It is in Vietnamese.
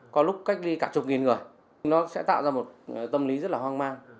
có lúc cách ly cả chục nghìn người nó sẽ tạo ra một tâm lý rất là hoang mang